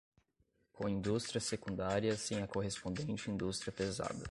com indústria secundária sem a correspondente indústria pesada